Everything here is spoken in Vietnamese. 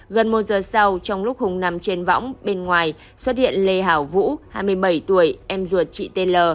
gần một giờ sau trong lúc hùng nằm trên võng bên ngoài xuất hiện lê hảo vũ hai mươi bảy tuổi em ruột chị tl